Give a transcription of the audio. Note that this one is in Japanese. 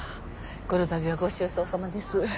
このたびはご愁傷さまです。